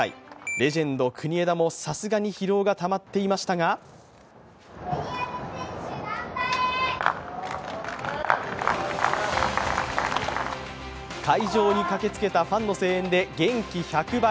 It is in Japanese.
レジェンド・国枝もさすがに疲労がたまっていましたが会場に駆けつけたファンの声援で元気１００倍。